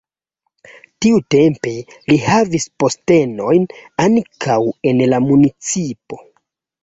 Tiutempe li havis postenojn ankaŭ en la municipo.